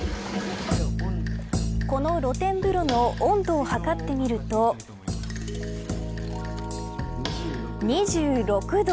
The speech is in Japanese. この露天風呂の温度を測ってみると２６度。